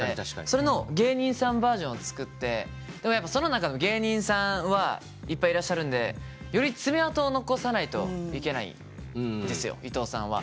それの芸人さんバージョンを作ってでもやっぱその中の芸人さんはいっぱいいらっしゃるんでより爪痕を残さないといけないんですよ伊藤さんは。